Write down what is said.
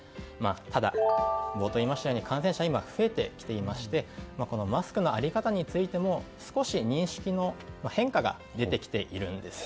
ただ、冒頭に言いましたように感染者、今増えてきていましてこのマスクの在り方についても少し認識の変化が出てきているんです。